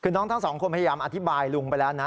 คือน้องทั้งสองคนพยายามอธิบายลุงไปแล้วนะ